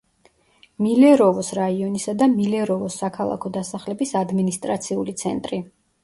მილეროვოს რაიონისა და მილეროვოს საქალაქო დასახლების ადმინისტრაციული ცენტრი.